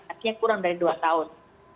artinya kurang dari dua tahun